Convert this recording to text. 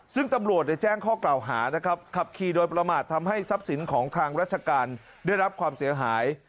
ซึ่งตำรวจแจ้งข้อกล่าวหานะครับขับขี่โดยประมาททำให้ทรัพย์สินของทางราชการได้รับความเสียหาย